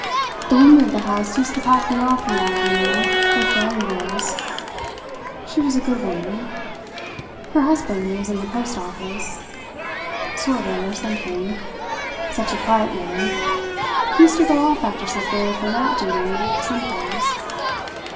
The woman of the house used to pack me off in the afternoon with her own girls. She was a good woman. Her husband was in the post office. Sorter or something. Such a quiet man. He used to go off after supper for night duty, sometimes.